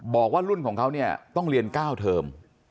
บอกว่ารุ่นของเขาเนี่ยต้องเรียน๙เทอม